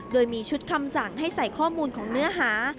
โดยมีชุดคำสั่งให้ใส่ข้อมูลของเนื้อหา